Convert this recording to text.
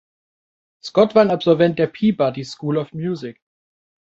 Scott war ein Absolvent der Peabody School of Music.